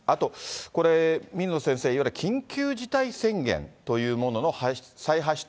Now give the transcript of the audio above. これ、水野先生、いわゆる緊急事態宣言というものの再発出。